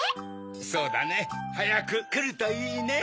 そうだねはやくくるといいねぇ。